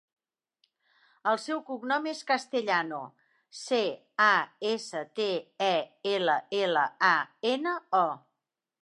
El seu cognom és Castellano: ce, a, essa, te, e, ela, ela, a, ena, o.